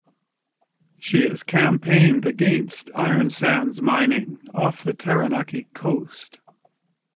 She has campaigned against iron sands mining off the Taranaki coast.